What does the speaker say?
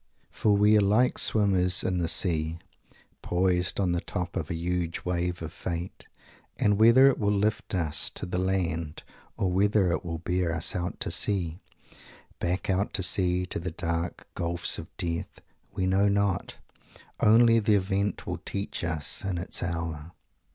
"For we are all like swimmers in the Sea, Poised on the top of a huge wave of Fate, And whether it will lift us to the land Or whether it will bear us out to Sea, Back out to Sea, to the dark gulfs of Death, We know not Only the event will teach us, in its hour."